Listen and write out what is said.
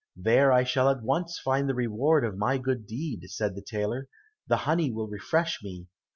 "There I shall at once find the reward of my good deed," said the tailor, "the honey will refresh me."